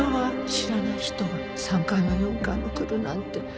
知らない人が３回も４回も来るなんて。